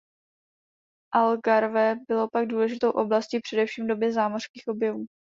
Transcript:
Algarve bylo pak důležitou oblastí především v době zámořských objevů.